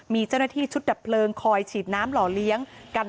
มีเจ้าหน้าที่ชุดดับเพลิงคอยฉีดน้ำหล่อเลี้ยงกัน